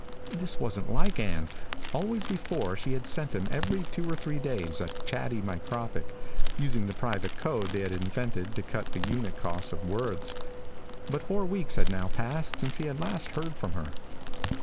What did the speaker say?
This wasn't like Ann. Always before she had sent him every two or three days a chatty micropic, using the private code they had invented to cut the unit cost of words. But four weeks had now passed since he had last heard from her.